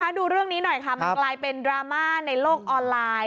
ดูเรื่องนี้หน่อยค่ะมันกลายเป็นดราม่าในโลกออนไลน์